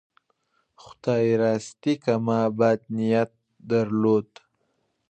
خدای راستي که ما بد نیت درلود.